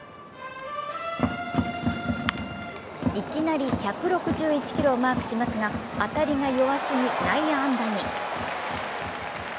いきなり１６１キロをマークしますが当たりが弱すぎ、内野安打に。